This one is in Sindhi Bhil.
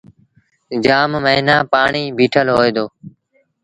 جآم موهيݩآ پآڻيٚ بيٚٺل هوئي دو۔